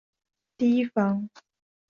提防